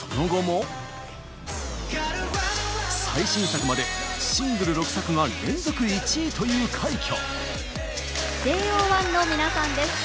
最新作までシングル６作が連続１位という快挙。